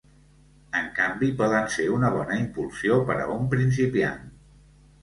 En canvi poden ser una bona impulsió per a un principiant.